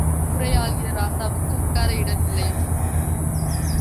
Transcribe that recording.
ஊரை ஆள்கிற ராசாவுக்கு உட்கார இடம் இல்லையாம்!